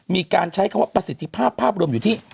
มีการใช้คำว่าประสิทธิภาพภาพรวมอยู่ที่